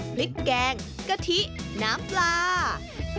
พริกแกงกะทิน้ำปลา